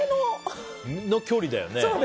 距離だよね。